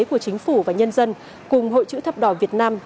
của chính phủ và nhân dân cùng hội chữ thập đỏ việt nam